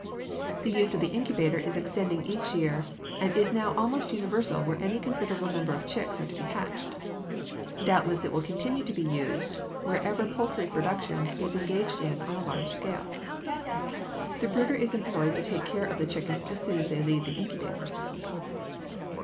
The use of the incubator is extending each year and is now almost universal where any considerable number of chicks are to be hatched. Doubtless it will continue to be used wherever poultry production is engaged in on a large scale. The brooder is employed to take care of the chickens as soon as they leave the incubator.